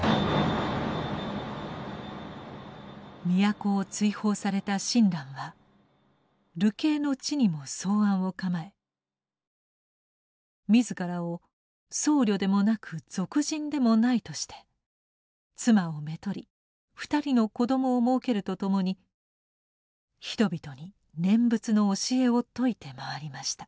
都を追放された親鸞は流刑の地にも草庵を構え自らを「僧侶でもなく俗人でもない」として妻をめとり２人の子どもをもうけるとともに人々に念仏の教えを説いて回りました。